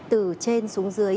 từ trên xuống dưới